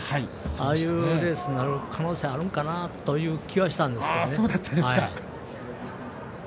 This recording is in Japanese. ああいうレースになる可能性があるかなという気はしたんですけどね。